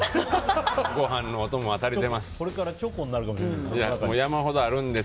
ご飯のお供は足りてます。